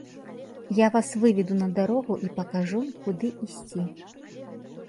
Я вас выведу на дарогу і пакажу, куды ісці.